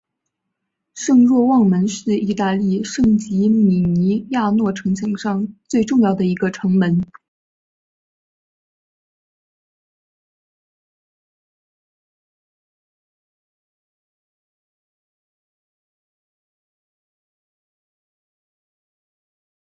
圣若望门是意大利圣吉米尼亚诺城墙上最重要的一个城门。